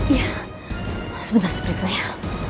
iya sebentar saya periksa ya